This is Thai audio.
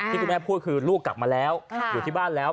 ที่คุณแม่พูดคือลูกกลับมาแล้วอยู่ที่บ้านแล้ว